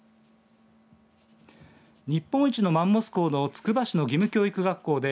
日本一のマンモス校のつくば市の義務教育学校で